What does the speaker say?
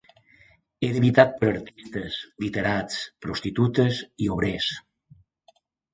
Era habitat per artistes, literats, prostitutes i obrers.